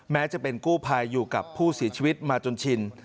แม้จะเป็นกู้ภัยอยู่กับผู้เสียชีวิตมาจนชิน